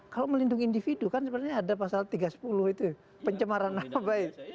kalau melindungi individu kan sebenarnya ada pasal tiga ratus sepuluh itu pencemaran nama baik